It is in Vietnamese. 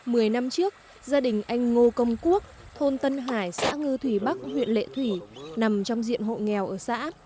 mười năm trước gia đình anh ngô công quốc thôn tân hải xã ngư thủy bắc huyện lệ thủy nằm trong diện hộ nghèo ở xã